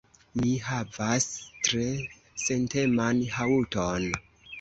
Mi havas tre senteman haŭton.